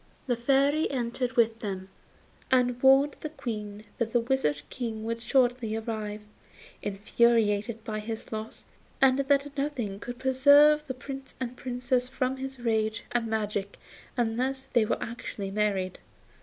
The Fairy entered with them, and warned the Queen that the Wizard King would shortly arrive, infuriated by his loss, and that nothing could preserve the Prince and Princess from his rage and magic unless they were actually married.